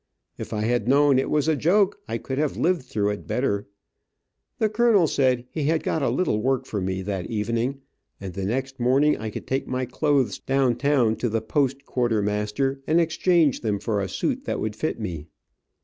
If I had known it was a joke, I could have lived through it better. The adjutant said he had got a little work for me that evening, and the next morning I could take my clothes down town to the post quartermaster, and exchange them for a suit that would fit me.